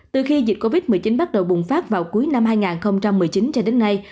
từ khi dịch covid một mươi chín bắt đầu bùng phát vào cuối năm hai nghìn một mươi chín cho đến nay